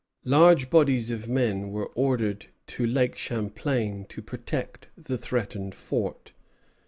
Large bodies of men were ordered to Lake Champlain to protect the threatened fort.